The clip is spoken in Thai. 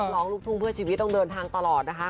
ลูกทุ่งเพื่อชีวิตต้องเดินทางตลอดนะคะ